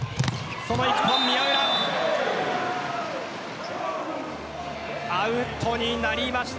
その宮浦アウトになりました。